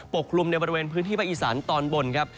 กลุ่มในบริเวณพื้นที่ภาคอีสานตอนบนครับ